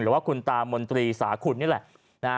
หรือว่าคุณตามนตรีสาคุณนี่แหละ